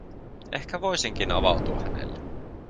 Ehkä voisinkin avautua hänelle.